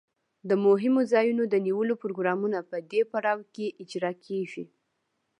د مهمو ځایونو د نیولو پروګرامونه په دې پړاو کې اجرا کیږي.